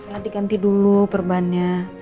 nanti ganti dulu perbahannya